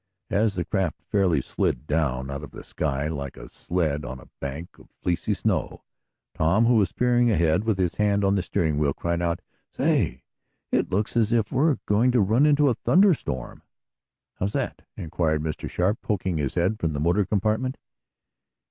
As the craft fairly slid down out of the sky, like a sled on a bank of fleecy snow, Tom, who was peering ahead, with his hand on the steering wheel, cried out "I say! It looks as if we were going to run into a thunder storm!" "How's that?" inquired Mr. Sharp, poking his head from the motor compartment.